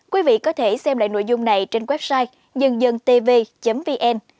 quý vị có thể xem lại nội dung này trên website nhân dân tv vn